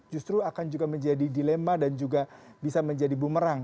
justru akan juga menjadi dilema dan juga bisa menjadi bumerang